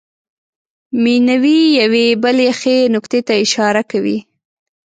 مینوي یوې بلې ښې نکتې ته اشاره کوي.